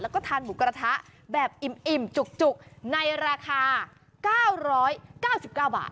แล้วก็ทานหมูกระทะแบบอิ่มจุกในราคา๙๙๙บาท